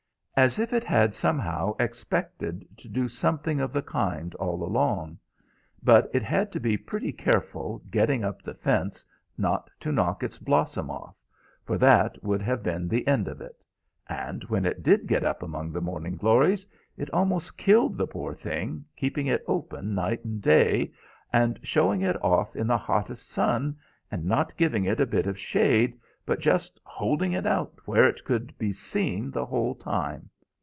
as if it had somehow expected to do something of the kind all along; but it had to be pretty careful getting up the fence not to knock its blossom off, for that would have been the end of it; and when it did get up among the morning glories it almost killed the poor thing, keeping it open night and day, and showing it off in the hottest sun, and not giving it a bit of shade, but just holding it out where it could be seen the whole time.